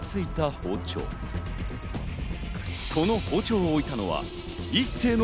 包丁を置いたのは一星。